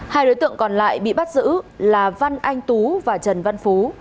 hai đối tượng còn lại bị bắt giữ là văn anh tú và trần văn phú